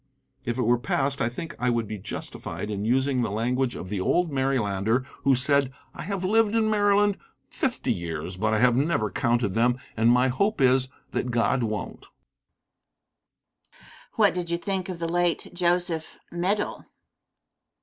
If it were passed I think I would be justified in using the language of the old Marylander, who said, "I have lived in Maryland fifty years, but I have never counted them, and my hope is, that God won't." Question. What did you think of the late Joseph Medill?